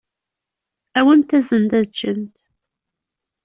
Awimt-asen-d ad ččent.